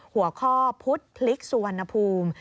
หัวข้อพุทธพลิกสุวรรณภูมิ